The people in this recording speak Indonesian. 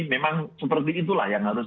memang seperti itulah yang harus